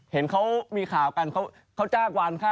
เห็นเขามีข่าวกันเขาจ้างวานค่า